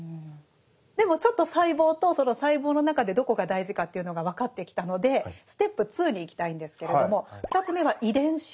でもちょっと細胞とその細胞の中でどこが大事かっていうのが分かってきたのでステップ２にいきたいんですけれども２つ目は「遺伝子」。